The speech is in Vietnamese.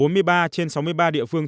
bốn mươi ba trên sáu mươi ba địa phương